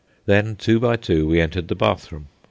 Then, two by two, we entered the bathroom.